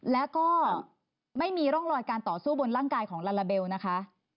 แล้วก็ไม่มีร่องรอยการต่อสู้บนร่างกายของลาลาเบลนะคะ